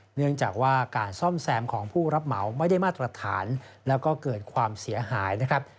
เนื่องจากว่าการซ่อมแซมของผู้รับเหมาไม่ได้มาตรฐานแล้วก็เกิดความเสียหายนะครับ